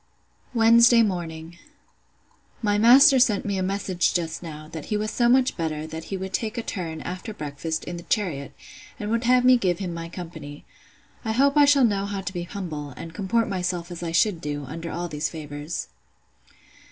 Wednesday morning. My master sent me a message just now, that he was so much better, that he would take a turn, after breakfast, in the chariot, and would have me give him my company. I hope I shall know how to be humble, and comport myself as I should do, under all these favours.